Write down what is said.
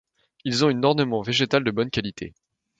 Ils ont une ornementation végétale de bonne qualité.